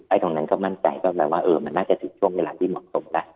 ไอ้ตรงนั้นก็มั่นใจว่ามันน่าจะถึงช่วงเวลาที่เหมาะตรง